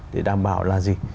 để đảm bảo là gì